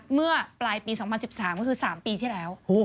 เมื่อปลายปี๒๐๑๓ก็คือ๓ปีที่แล้ว